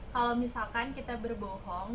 kalau misalkan kita berbohong